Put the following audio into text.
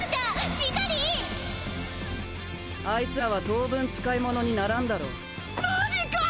しっかりあいつらは当分使い物にならんだろうマジかー！